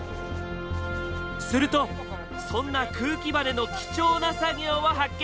するとそんな空気バネの貴重な作業を発見。